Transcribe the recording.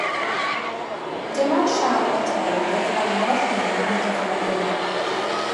Dim ond Siarl y Tew gyflawnodd hyn am gyfnod byr.